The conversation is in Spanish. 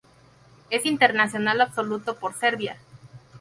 Es internacional absoluto por Serbia.